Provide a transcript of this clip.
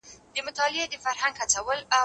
زه به ليکنه کړې وي؟!